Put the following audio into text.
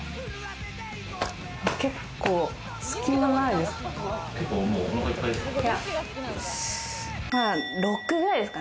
結構隙間ないです。